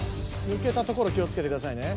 ぬけたところ気をつけてくださいね。